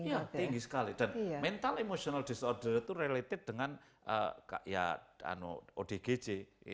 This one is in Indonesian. iya tinggi sekali dan mental emotional disorder itu related dengan kayak odgj